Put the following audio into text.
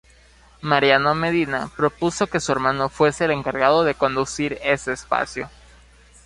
Mariano Medina propuso que su hermano fuese el encargado de conducir ese espacio.